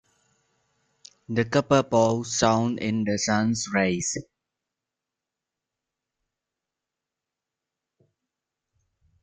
The copper bowl shone in the sun's rays.